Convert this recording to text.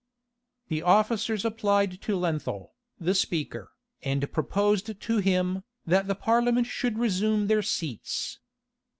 The officers applied to Lenthal, the speaker, and proposed to him, that the parliament should resume their seats.